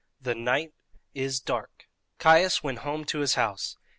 "THE NIGHT IS DARK." Caius went home to his house.